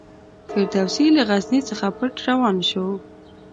فردوسي له غزني څخه پټ روان شو.